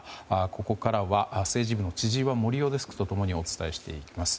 ここからは政治部の千々岩森生デスクと共にお伝えしていきます。